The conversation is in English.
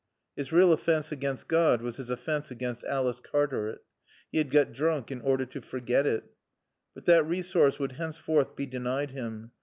His real offense against God was his offense against Alice Cartaret. He had got drunk in order to forget it. But that resource would henceforth be denied him.